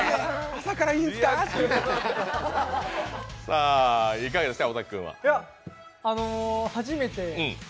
朝からいいんすか！？